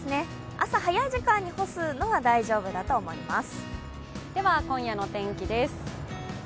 朝、早い時間に干すのは大丈夫だと思います。